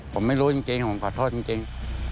ผมไม่รู้จริงผมขอโทษจริง